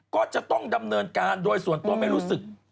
ก็จะต้องดำเนินการโดยส่วนตัวไม่รู้สึก